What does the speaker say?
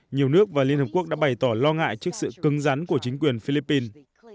nhiều nước và liên hợp quốc đã bày tỏ lo ngại trước sự cưng rắn của chính quyền philippines